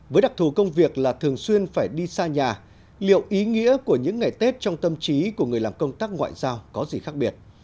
với đặc thù công việc là thường xuyên phải đi xa nhà liệu ý nghĩa của những ngày tết trong tâm trí của người làm công tác ngoại giao có gì khác biệt